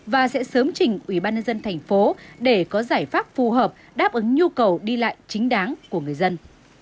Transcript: và sẽ sớm trình ubnd tp để có giải pháp phù hợp đáp ứng nhu cầu đi lại chính đáng của người dân